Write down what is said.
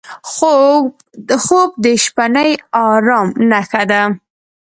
خوب د شپهني ارام نښه ده